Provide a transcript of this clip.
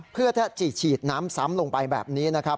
เพื่อถ้าฉีดฉีดน้ำซ้ำลงไปแบบนี้นะครับ